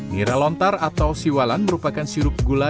nira lontar atau siwalan merupakan sirup gula yang berguna